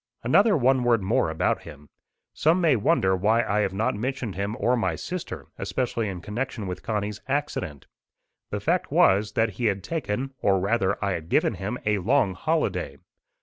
Another one word more about him. Some may wonder why I have not mentioned him or my sister, especially in connection with Connie's accident. The fact was, that he had taken, or rather I had given him, a long holiday.